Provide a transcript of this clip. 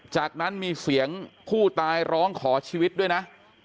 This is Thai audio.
จากนั้นมีเสียงผู้ตายร้องขอชีวิตด้วยนะ